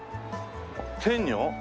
天女？